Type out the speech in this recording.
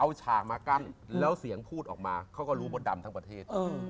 เอาฉากมากั้นแล้วเสียงพูดออกมาเขาก็รู้มดดำทั้งประเทศ